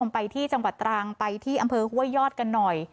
ไปที่จังหวัดตรังไปที่อำเภอห้วยยอดกันหน่อย